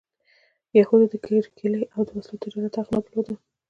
یهودو د کرکیلې او د وسلو تجارت حق نه درلود.